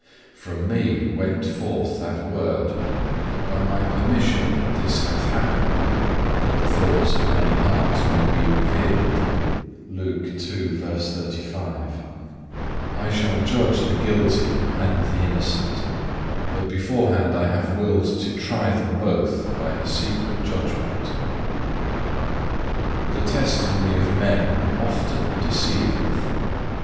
From Me went forth that word, by My permission this hath happened, that the thoughts of many hearts may be revealed.(1) I shall judge the guilty and the innocent; but beforehand I have willed to try them both by a secret judgment. 4. "The testimony of men often deceiveth.